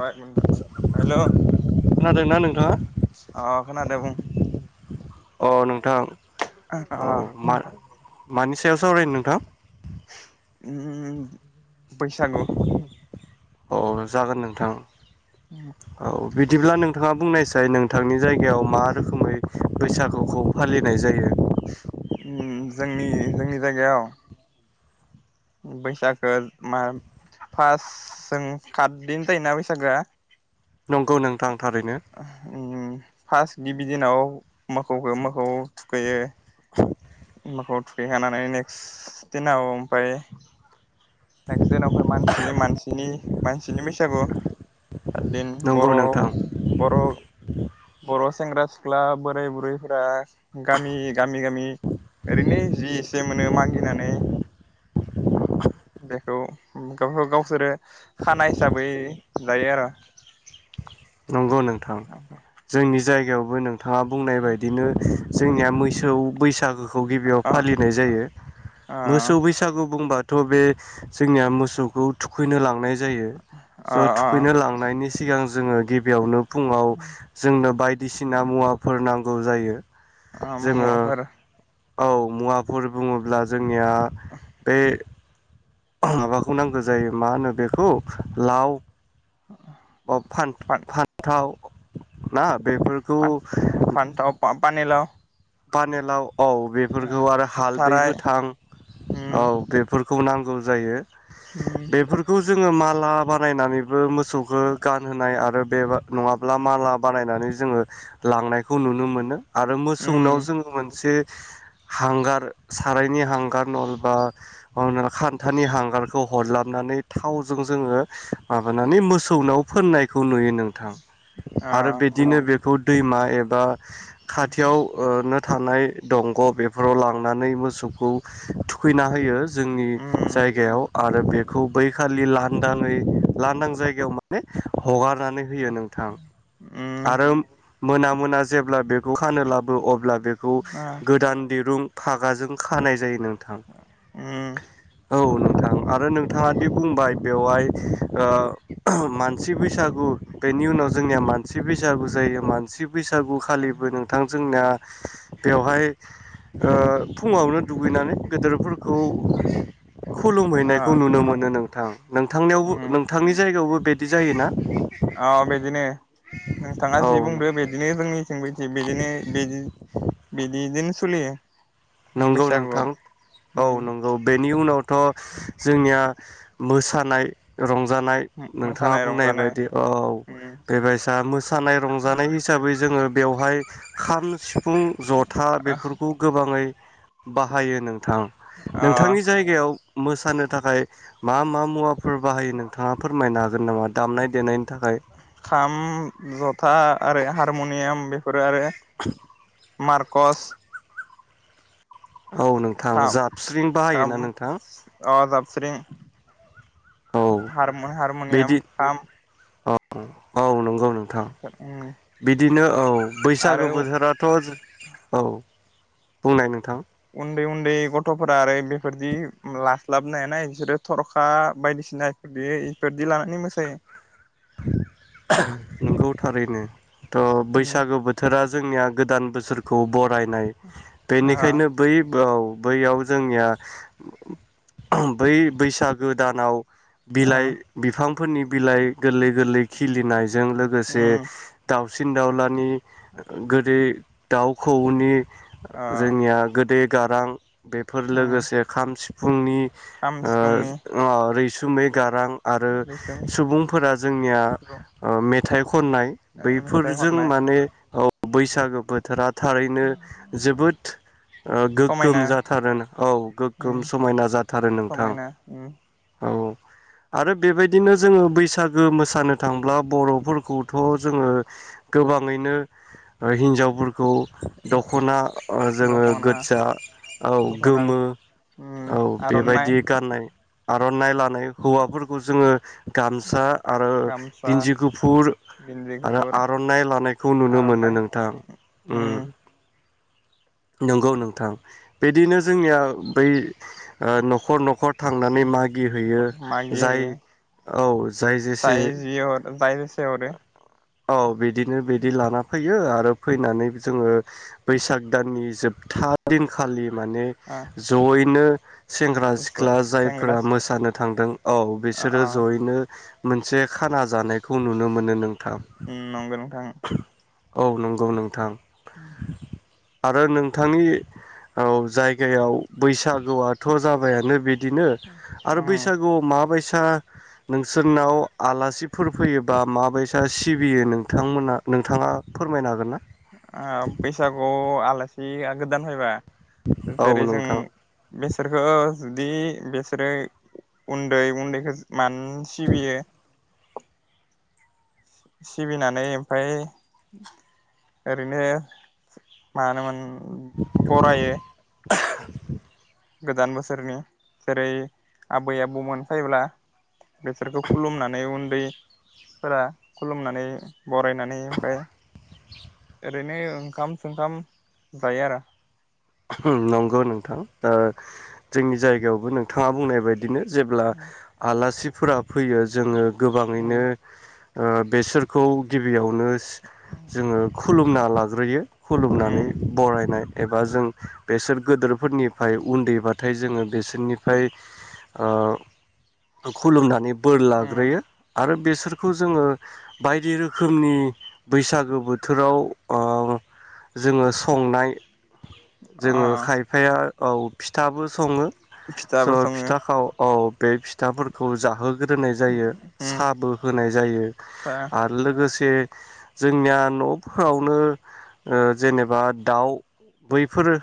र एक मिनित र हेलौ। खोनादोंना नोंथाङा अह खोनादो बुं। अ नोंथां अ औ मा मानि सायाव सावरायनो नोंथां? उम बैसागु। औ जागोन नोंथां। उम औ। बिदिब्ला नोंथाङा बुंनायसाय नोंथांनि जायगायाव मा रोखोमै। बैसागौखौ फालि होनाय जायो। ओम जोंनि जोंनि जायगायाव। बैसागखो मा फास जों खातदिन जायोना बैसागोआ। नंगौ नोंथां। थारैनो उम फास। गिबि दिनाव मोखौखो मोखौ थुखैयो। मोखौ थुखैखानानै नेक्स दिनाव ओमफाय नेक्स दिनाफाय मानसि मानसिनि मानसिनि बैसागु। दिन नंगौ बर' नोंथां बर' बर' सेंग्रा सिख्ला बोराय बुरैफोरा गामि गामि गामि ओरैनो जि एसे मोनो मागिनानै बेखौ उम गावबा गावसोरो खाना हिसाबै जायो आरो। नंगौ नोंथां। जोंनि जाय गायावबो नों थाङा बुंनाय बायदिनो जोंनिया मोसौ बैसागोखौ गिबियाव अ फालिनाय जायो। अ मोसौ बैसागो बुंबा थ' बे जोंनिया मोसौखौ थुखैनो लांनाय जायो। अ स' अ थुखैनो लांनायनि सिगां जोङो गिबियावनो फुंङाव जोंनो बायदिसिना मुवाफोर नां‌ गौ जायो। ओ जोङो मुवाफोर औ मुवाफोर बुङोब्ला जों निया बे माबाखौ नांगौ जायो मा होनो बेखौ लाव बा फान फान-फान्थाव नाब बेफोरखौ फान फान्थाव पानिलाव पानिलाव औ ओ बेफोरखौ आरो हालदै थाराय गोथां औ उम बेफोर खौ नांगौ जायो। उम बेफोरखौ जोङो माला बानायनानै ओ मोसौखौ गानहोनाय आरो बे नङाब्ला माला बानायनानै जोङो लांनायखौ नुनो मोनो। आरो सौनाव उम जोङो मोनसे हांगार सारायनि हांगार नंबा मा नो खान्थानि हांगारखौ हरला बनानै थावजों जोङो माबानानै मोसौनाव फोननाय खौ नुयो नोंथां ओ आरो बिदिनो बेखौ दैमा एब बा खाथि खाथियाव ओ नो थानाय दंग बेफोराव लांनानै मोसौखौ थुखैना होयो जोंनि उम जायगायाव आरो बे खौ बै खालि लांदांङै लांदां जायगायाव माने हगार नानै होयो नोंथां उम आरो मोना मोना जेब्ला बेखौ खानो लाबो अब्ला बेखौ ओ गोदान दिरुं फागाजों खानाय जायो नों थां उम औ नोंथां आरो नोंथाङा दि बुंबाय बेवहाय ओ मानसि बैसागु बेनि उनाव जोंनिया मान सि बैसागु जायो मान सि बैसागु खालिबो नोंथां जोंना बेवहाय ओ फुङावनो उम दुगैनानै गेदेरफोरखौ ओ खुलुमहैनायखौ नुनो मोनो नोंथां नोंथांनियावबो उम नोंथांनि जायगायावबो बिदि जायोना? औ बेदिनो नोंथाङा औ जि बुंदो बिदिनो जोंनिथिंबो बिदिनो बि बिदिदोनो सलियो नंगौ नोंथां औ नंगौ बेनि उनावथ जोंनिया मोसानाय रं जानाय नोंथाङा मोसानाय बुंनाय रंजानाय बायदि औ उम बेबायसा मोसानाय रंजानाय हिसाबै जोङो बेवहाय खाम सि फुं जथा बेफोरखौ गोबाङै बाहायो नों थां ओ नोंथांनि जायगायाव मोसानो थाखाय मा मा मुवाफोर बाहायो नोंथाङा फोरमायनो हागोन नामा दामनाय देनायनि थाखाय? हारमनियाम बे फोर आरो मारकस औ नोंथां खाम जाबस्रिं बाहायोना नोंथां स्रिं औ हार हारमनियाम बिदि खाम औ औ नंगौ गौ नोंथां उम बिदिनो बैसागु आरो बोथोराथ' औ बुंनाय नोंथां उन्दै उन्दै गथ'फोरा आरो बेफोरदि लास्ट ग्लाब नाय नाय बिसोरो थर'खा बायदिसिना इफोर इफोरदि लानानै मोसायो [unintelligible] नंगौ थारैनो थ' उम बैसागु बोथोरा जोंनिया गोदान बोसोरखौ ब फरायनाय ओ बेनिखायनो बै औ बैयाव जोंनिया बै उम बैसागो दानाव ओ बिलाइ बिफां फोरनि बिलाइ गोरलै गोरलै खिलिनायजों लोगोसे उम दाउ सिन दावलानि गोदै दाउखौनि अ जोंनिया गोदै गार रां बेफोर उम लोगोसे खाम, सिफ फुंनि खाम सिफुंनि सुमै गारां आरो रैसुम सुबुं फोरा जोंनिया ओ मेथाइ खननाय मेथाइ बैफोरजों खननाय माने अ बैसागो बोथोरा थारैनो जोबोद ओ समायना गोगोम जाथारो औ गोग्गोम उम समायना जाथारो नोंथां समायना उम औ आरो बेबायदिनो जोंङो बैसाग सागो मोसानो थांब्ला बर'फोर खौथ' जोंङो गोबाङैनो ओहिनजावफोर खौ दख'ना ओजोङो दख'ना गोदजा औ दख'ना गोमो औ उम आर'नाइ बेबायदि गाननाय आरननाय लाद नाय हौवाफोरखौ जोंओ गाम सा आरो गामसा गिन्जि गुफुर गिन्जि आरो गुफुर आर'नाइ लानायखौ नुनो मोनो आर'नाइ नोंथां। उम नंगौ नोंथां। बिदिनो जोंनिया बै ओ न'खर न'खर थांनानै मागिहैयो मागि जाय हैयो औ जाय जेसे जि हरो जाय जेसे हरो औ बिद बिदिनो बिदि लाना फै यो आरो फैनानै जोङो बैसाग दाननि जोबथा दिनखालि माने जयैनो सेंग्रा ओ सिख्ला सेंग्रा जायफोरा सिख्ला मोसानो थांदों औ बिसोरो अ जयैनो मोनसे खाना जानाय खौ नुनो मोनो नोंथां। उम नंगौ नोंथां औ नंगौ नोंथां। [inaudible] आरो नोंथांनि औ जायगायाव बैसागुआथ' जाबायानो बि बिदिनो आरो उम बैसागुआव माबायसा सा नोंसोरनाव आलासिफोर फैयोबा माबायसा सिबियो नोंथांमोना नोंथाङा फोरमायनो हागोन ना? आ बैसागुयाव आलासिया गोदान फैबा औ जेरै जों नोंथां बिसोरखौ जुदि बेसोरो उन्दै उन्दैखो मानो सिबियो। सिबिनानै ओमफाय ओरैनो मा होनोमोन बरायो [inaudible] गोदान बोसोरनि जेरै आबै आबौमोन फैब्ला बेसोरखौ खुलुमनानै उन्दै फोरा खुलुमनानै बरायनानै ओमफ्राय ओरैनो ओंखाम सोंखाम जायो आरो नंगौ नोंथां। ओ जोंनि जायगायावबो नोंथाङा बुंनाय बाय बिदिनो जेब्ला आलासि फुराब फैयो जोङो उम गोबाङैनो ओ बेसोरखौ गिबियाव नो जोंओ खुलुमना लाग्रोयो उम खुलुमनानै बरायनाय एबा जों बेसोर गोदोरफोरनिफ्राय उन्दैबाथाय जोङो बेसोरनिफ्राय खुलुमनानै बोर उम लाग्रोयो आरो बेसोरखौ जोङो बायदि रोखोमनि बैसागो बोथोराव ओं जोङो संनाय अ जोङो खायफाया औ फिथाबो सङो फिथाबो स' सङो फिथाखौ औ बे फिथाफोरखौ जाहो ग्रोनाय जायो उम साहाबो होनाय जायो आरो लोगोसे जोंनिया नफोरावनो ओ जेनेबा दाउ बै फोरो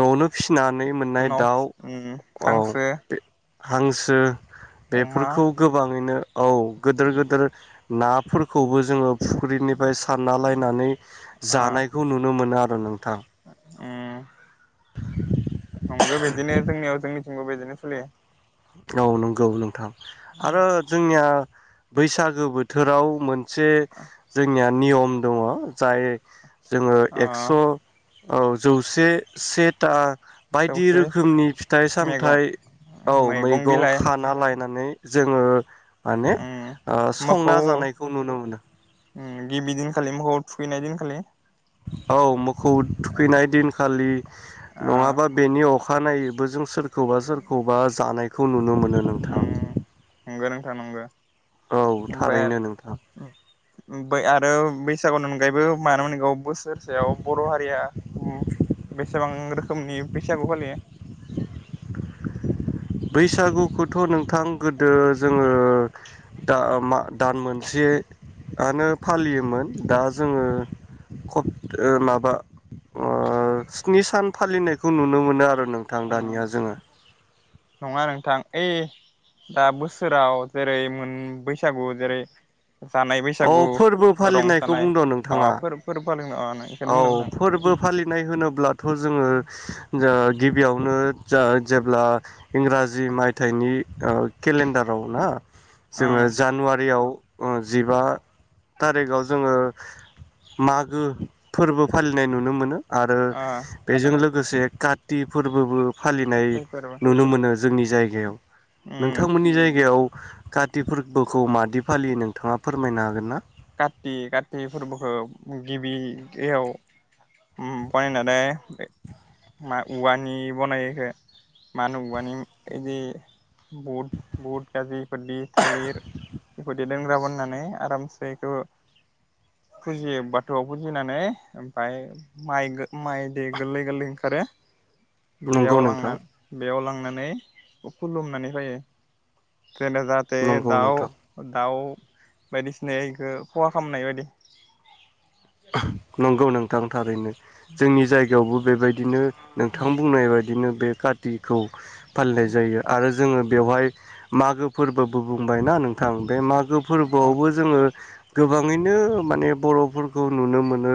नआवनो फिसि नानै मोननाय उनाव दाउ उम औ हांसो बे हांसो अमा बेफोरखौ गोबाङैनो औ गोदोर गोदोर नाफोरखौबो जोङो फुख्रिनिफ्राय सारना लायनानै ओ जानायखौ नुनो मोनो आ [inaudible] थां उम नंगो बेदिनो जोंनियाव जोंनि थिंबो बेदिनो सलियो औ नं गौ नोंथां आरो जोंनिया बैसागो बोथोराव मोन से जोंनिया नियम दङ जाय जोङो ओ एक्स औ जौसे सेता बायदि जौसे रोखोमनि फिथाइ मैगं सामथाइ औ मैगं खाना ला लायनानै जोङो माने ओ ओम मोखौ संना जानायखौ नुनो मोनो गिबि दिनखालि मोखौ थुखैनाय दिनखालि औ मो‌ खौ ओ थुखैनाय दिन खालि नङाबा बेनि अ खानायोबो जों सोर खौबा सोरखौबा जानाय‌ खौ नुनो मोनो नोंथां थां नंगो औ थारैनो नोंथां ओमफाइ आरो बैसागुनि अनगायैबो मानो मोनगौ बोसोरसेयाव बर' हारिया बेसेबां रोखोमनि बैसागु फालियो बैसागुखौथ' नोंथां गोदो जोङो दा मा दान मोनसेआनो फालियोमोन दा जोङो खट माबा ओ स्नि सान फालिनायखौ नुनो मोनो आरो नोंथां ओ दानिया जोङो नङा नोंथां ओइ दा बोसोराव जेरै मोन बैसागु जेरै जानाय औ बैसागु फोरबो फालिनायखौ रंजानाय बुंदों नोंथाङा माबाफोर फोरबो फालिनो अ बेखौनो बुंदों औ नोंथां फोरबो फालिनाय होनोब्लाथ' जोङो जो गिबियावनो जा जेब्ला इंराजि मायथाइनि ओ केलेन्डाराव ना जोङो ओं जानुवारियाव जिबा थारिखआव जोङो मागो फोरबो फालिनाय नुनो मोनो आरो ओ बेजों लोग लोगोसे काति फोरबोबो फालिनाय काति फोरबो नुनो मोनो जोंनि जायगायाव उम नोंथांमोननि जायगायाव काथि फोरबोखौ मादि फालियो नोंथाङा फोरमायनो हागोन ना काति काति फोरबोखौ गिबियाव बनायनानै मा औवानि बनायो बेखौ मा होनो औवानि बिदि बुट बुट गाज्रि इफोरदि थालिर बेफोरदि दोनग्रा बोननानै आरामसे बेखौ फुजियो बाथौआव फुजिनानै ओमफफ्राय माइ माइ दै गोरलै गोरलै ओंखारो नंगौ बेयाव नोंथां लांना बेयाव लां नानै खुलुमनानै होयो खोना जाहाथे नंगौ दाउ नोंथां दाउ बायदिसिनाय एखौ फहा खालामनाय बायदि। नंगौ नों। थांथारैनो। जोंनि जायगायावबो बेबायदिनो। नोंथां बुंनाय बायदि बिदिनो बे कार्तिखौ। फालिनाय जायो आरो जोङो बेवहाय मागो फोरबोबो बुंबायना नों। थां बे मागो अ फोरबोआवबो जोङो। गोबाङैनो माने बर'फोर खौ नुनो मोनो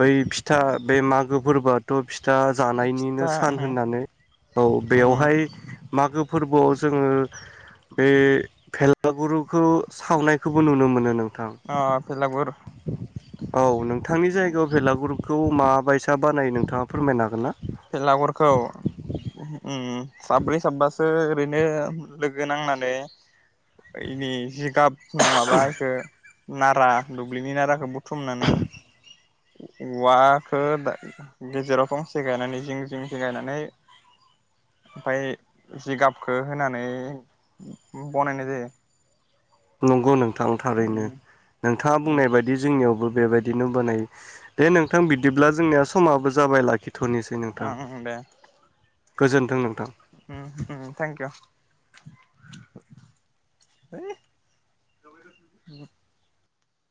बै फिथा बे मागो फोरबोथ' फ फा जानायनिनो फिथा सान उम होननानै औ उम बेयावहाय मागो फोरबोआव जोङो बे फेल ा [inaudible] गुरुखौ सावनायखौबो नुनो मोनो नों। अ फेलागुर औ नोंथांनि जायगायाव भेलागुर खौ माबायसा बानायो नोंथाङा फोरमायनो हागोन ना? बेलागुरखौ उम साब्रै साबासो ओरैनो लोगो नांनानै जि गाब नङाबा बेखौ नारा दुब्लिनि नाराखौ बह बुथुमनानै औवाखौ गेजेराव फांसे गायनानै जिं जिं जिं गायनानै ओमफाय जिगाबखौ होनानै बनायनाय जायो। नंगौ नों थां थारैनो उम नोंथाङा बुंनाय बायदि जोंनियावबो। बेबायदिनो बानायो। दे नोंथां बिदिब्ला। जोंनिया समाबो जाबाय लाखिथनोसै नोंथां। उम ओं दे गोजोन्थों नों उम उम थेंकइउ [unintelligible]